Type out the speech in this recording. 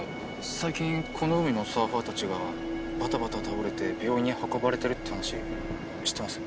最近この海のサーファーたちがバタバタ倒れて病院に運ばれてるって話知ってます？